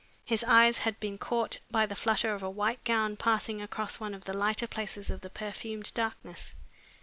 His eyes had been caught by the flutter of a white gown passing across one of the lighter places of the perfumed darkness.